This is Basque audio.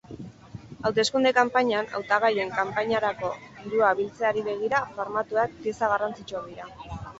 Hauteskunde-kanpainan, hautagaien kanpainarako dirua biltzeari begira, famatuak pieza garrantzitsuak dira.